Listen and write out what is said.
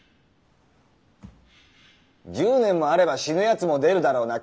１０年もあれば死ぬヤツも出るだろうな。